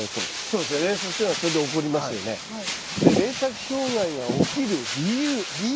で連作障害がおきる理由。